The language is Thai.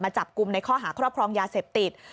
จับกลุ่มในข้อหาครอบครองยาเสพติด